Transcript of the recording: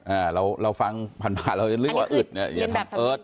อ่าเราเราฟังผ่านผ่านเราจะนึกว่าอึดเนี่ยอย่าทำเอิร์ท